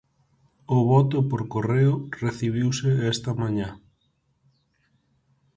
Ao voto por correo recibiuse esta mañá.